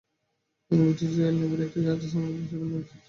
তিনি British Royal নেভি-র একটি জাহাজের শ্রমিক হিসাবে মাদ্রাজ উপকূল আসেন।